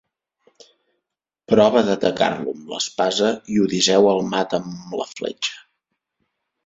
Prova d'atacar-lo amb l'espasa i Odisseu el mata amb una fletxa.